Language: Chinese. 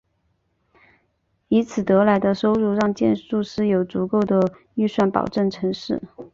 以此得来的收入让建筑师有足够的预算保证成事。